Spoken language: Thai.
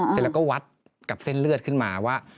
เสร็จแล้วก็วัดกับเส้นเลือดขึ้นมาว่า